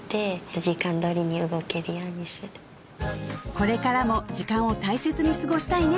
これからも時間を大切に過ごしたいね